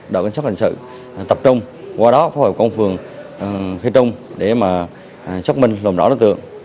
đội cảnh sát hình sự tập trung qua đó phó hợp công phường khi trung để mà xác minh lồn rõ đối tượng